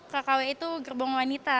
kkw itu gerbong wanita